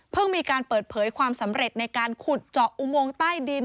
มีการเปิดเผยความสำเร็จในการขุดเจาะอุโมงใต้ดิน